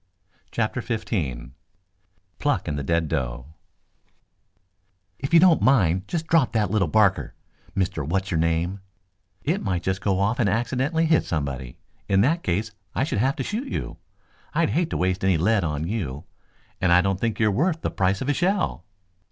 CHAPTER XV PLUCK AND THE DEAD DOE "If you don't mind, just drop that little barker, Mister What's Your Name. It might go off and accidentally hit somebody. In that case I should have to shoot you. I'd hate to waste any lead on you, and I don't think you're worth the price of a shell."